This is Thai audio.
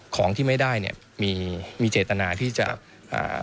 ของที่ไม่ได้เนี่ยมีมีเจตนาที่จะอ่า